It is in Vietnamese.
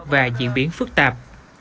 và diễn biến phức tạp